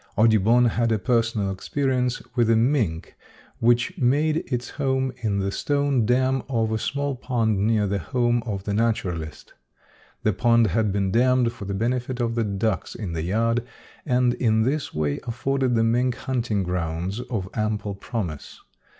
Audubon had a personal experience with a mink which made its home in the stone dam of a small pond near the home of the naturalist. The pond had been dammed for the benefit of the ducks in the yard, and in this way afforded the mink hunting grounds of ample promise.